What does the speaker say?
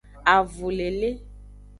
Avulele.